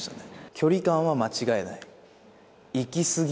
距離感は間違えない。